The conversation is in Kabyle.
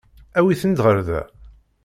Awit-ten-id ɣer da.